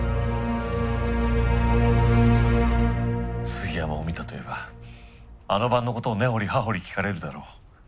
杉山を見たと言えばあの晩のことを根掘り葉掘り聞かれるだろう。